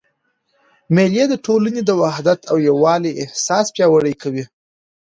مېلې د ټولني د وحدت او یووالي احساس پیاوړی کوي.